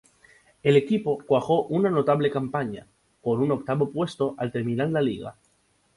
El equipo cuajó una notable campaña, con un octavo puesto al terminar la liga.